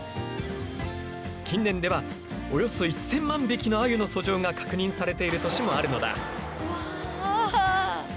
近年ではおよそ１，０００万匹のアユの遡上が確認されている年もあるのだ。